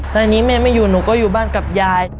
ตอนนี้แม่ไม่อยู่หนูก็อยู่บ้านกับยาย